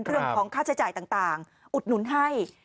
เรื่องของค่าใช้จ่ายต่างอุดหนุนให้